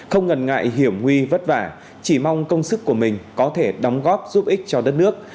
không ngần ngại hiểm nguy vất vả chỉ mong công sức của mình có thể đóng góp giúp ích cho đất nước